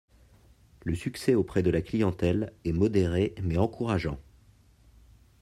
Le succès auprès de la clientèle est modéré mais encourageant.